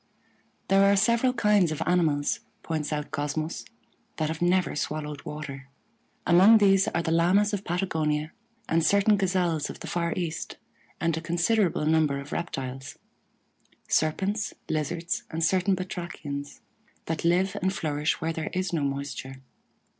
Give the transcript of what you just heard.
There are several kinds of animals, points out Cosmos, that have never swallowed water. Among these are the Lamas of Patagonia and certain Gazelles of the far east, and a considerable number of reptiles Serpents, Lizards, and certain Batrachians that live and flourish where there is no moisture.